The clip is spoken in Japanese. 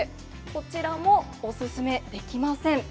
こちらもお勧めできません。